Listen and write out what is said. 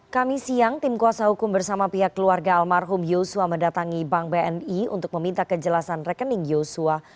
kami siang tim kuasa hukum bersama pihak keluarga almarhum yosua mendatangi bank bni untuk meminta kejelasan rekening yosua